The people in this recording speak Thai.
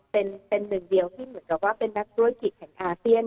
เป็นหนึ่งเดียวที่เหมือนกับว่าเป็นนักธุรกิจแห่งอาเซียน